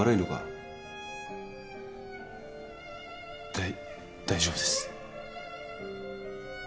大大丈夫です。